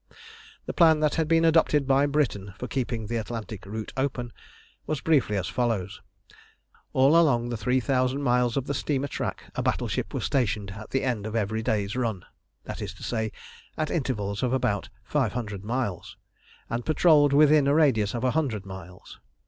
The plan that had been adopted by Britain for keeping the Atlantic route open was briefly as follows: All along the 3000 miles of the steamer track a battleship was stationed at the end of every day's run, that is to say, at intervals of about 500 miles, and patrolled within a radius of 100 miles.